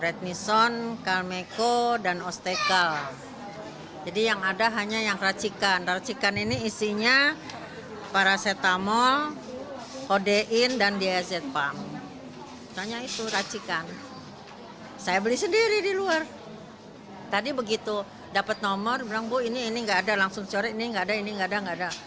ini nggak ada langsung corek ini nggak ada ini nggak ada nggak ada